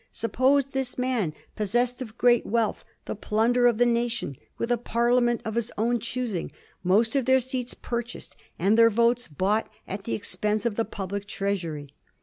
Suppose this man possessed of great wealth, the plunder of the nation, with a Parliament of his own choosing, most of their seats purchased, and their votes bought at the ex pense of the public treasure.